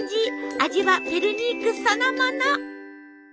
味はペルニークそのもの！